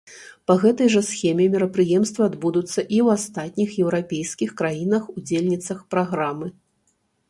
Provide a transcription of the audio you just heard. Па гэтай жа схеме мерапрыемствы адбудуцца і ў астатніх еўрапейскіх краінах-удзельніцах праграмы.